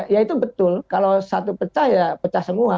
ya itu betul kalau satu pecah ya pecah semua